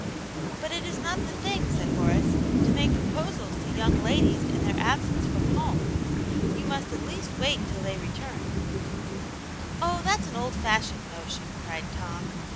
" But it is not the thing," said Horace, " to make proposals to young ladies in their absence from home. Vou must at least wait till tivey rtXwxtv" Aunt yane^s Hero. 8i '* Oh, that's an old fashioned notion," cried Tom.